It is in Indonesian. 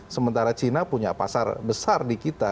sementara china punya pasar besar di kita